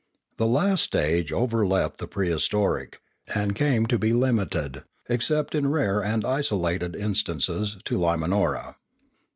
The last stage overleapt the prehistoric, and came to be limited, except in rare and isolated instances, to Limanora.